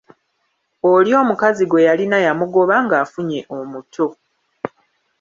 Oli omukazi gwe yalina yamugoba ng'afunye omuto.